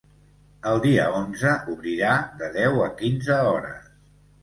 El dia onze obrirà de deu a quinze hores.